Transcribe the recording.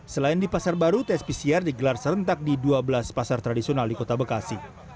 selain di pasar baru tes pcr digelar serentak di dua belas pasar tradisional di kota bekasi